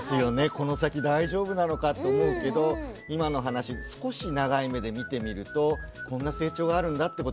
この先大丈夫なのかと思うけど今の話少し長い目で見てみるとこんな成長があるんだってことはよく分かりました。